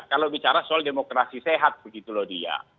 kalau bicara soal demokrasi sehat begitu loh dia